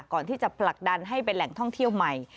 ผลักดันให้เป็นแหล่งท่องเที่ยวใหม่